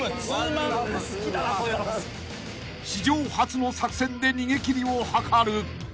［史上初の作戦で逃げ切りを図る］